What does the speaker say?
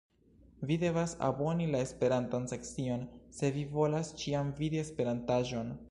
Vi devas aboni la esperantan sekcion se vi volas ĉiam vidi esperantaĵon